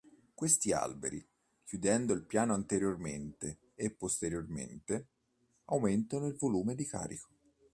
Questi alberi, chiudendo il piano anteriormente e posteriormente, aumentano il volume di carico.